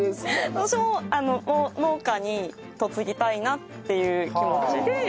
私も農家に嫁ぎたいなっていう気持ちで。